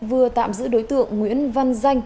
vừa tạm giữ đối tượng nguyễn văn danh